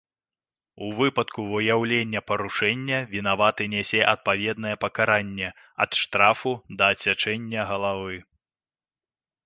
У выпадку выяўлення парушэння вінаваты нясе адпаведнае пакаранне, ад штрафу да адсячэння галавы.